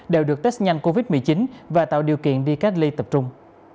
đều được test nhanh covid một mươi chín và tạo điều kiện đi cách ly tập trung